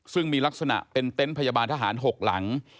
ซึ่งมีลักษณะเป็นเต้นทาหารหกหลัง